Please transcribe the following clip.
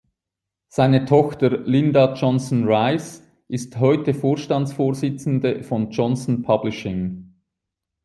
Seine Tochter Linda Johnson Rice ist heute Vorstandsvorsitzende von "Johnson Publishing".